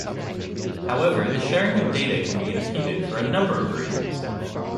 However the sharing of data can be impeded for a number of reasons.